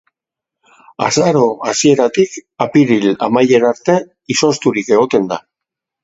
Azaro hasieratik apiril amaiera arte izozturik egoten da.